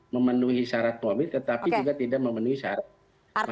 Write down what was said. memenuhi syarat formil tetapi juga tidak memenuhi syarat